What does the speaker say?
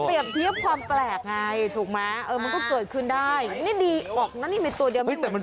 เอาไปเตรียมเทียบความแปลกไงถูกมั้ยเออมันก็เกิดขึ้นได้นี่ดีออกนะนี่เป็นตัวเดียวไม่เหมือนใคร